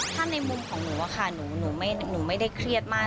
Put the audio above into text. ถ้าในมุมของหนูอะค่ะหนูไม่ได้เครียดมาก